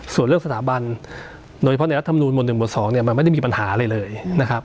ส่วนเรื่องสถาบันโดยเฉพาะในรัฐมนูลหมวด๑หวด๒เนี่ยมันไม่ได้มีปัญหาอะไรเลยนะครับ